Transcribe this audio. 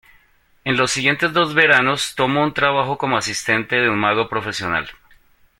En los siguientes dos veranos tomó un trabajo como asistente de un mago profesional.